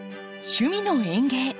「趣味の園芸」。